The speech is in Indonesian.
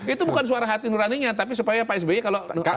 itu bukan suara hati nuraninya tapi supaya pak sby kalau nuansa